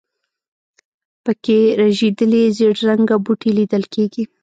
په کې رژېدلي زېړ رنګه بوټي لیدل کېږي.